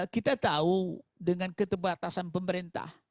kita tahu dengan keterbatasan pemerintah